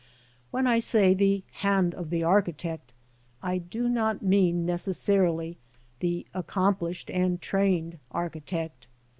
When I say the hand of the architect, I do not mean necessarily the accomplished and trained architect.